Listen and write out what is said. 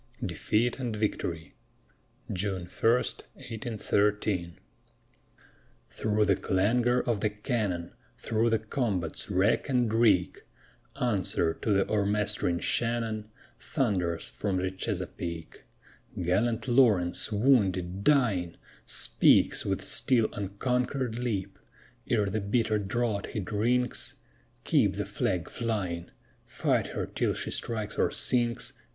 DEFEAT AND VICTORY [June 1, 1813] Through the clangor of the cannon, Through the combat's wreck and reek, Answer to th' o'ermastering Shannon Thunders from the Chesapeake: Gallant Lawrence, wounded, dying, Speaks with still unconquered lip Ere the bitter draught he drinks: _Keep the Flag flying! Fight her till she strikes or sinks!